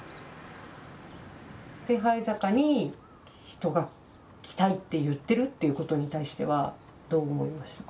手這坂に人が来たいって言ってるっていうことに対してはどう思いましたか？